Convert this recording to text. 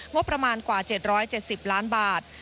งบประมาณกว่า๗๗๐ล้านบาท